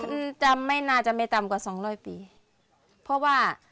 อืมจำไม่น่าจะไม่ต่ำกว่าสองร้อยปีเพราะว่า